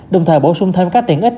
đồng thời bổ sung thêm các tiện ích